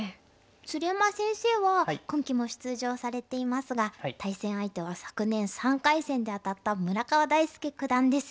鶴山先生は今期も出場されていますが対戦相手は昨年３回戦で当たった村川大介九段です。